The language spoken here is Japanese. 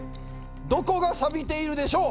どこがサビているでしょう。